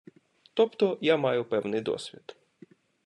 Тобто я маю певний досвід.